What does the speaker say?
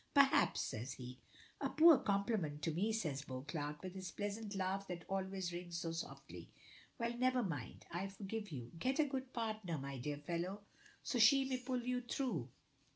"Perhaps," says he. "A poor compliment to me," says Beauclerk, with his pleasant laugh that always rings so softly. "Well, never mind; I forgive you. Get a good partner, my dear fellow, and she may pull you through.